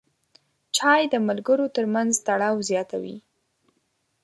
چای د ملګرو ترمنځ تړاو زیاتوي.